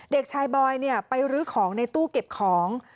เด็กชายบอยไปรื้อของในตู้เก็บของ